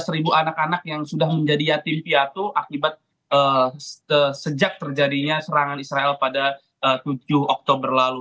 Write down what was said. enam belas anak anak yang sudah menjadi yatim piatu akibat sejak terjadinya serangan israel pada tujuh oktober lalu